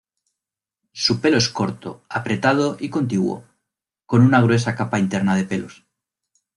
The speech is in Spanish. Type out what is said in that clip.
Su pelo es corto, apretado y contiguo, con una gruesa capa interna de pelos.